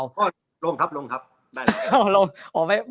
อ้อลงครับได้ด้วย